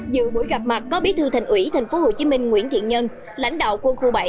dự buổi gặp mặt có bí thư thành ủy thành phố hồ chí minh nguyễn thiện nhân lãnh đạo quân khu bảy